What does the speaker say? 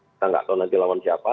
kita nggak tahu nanti lawan siapa